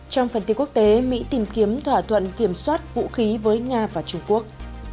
trong phần tiết quốc tế mỹ tìm kiếm thỏa thuận kiểm soát vũ khí với nga và trung quốc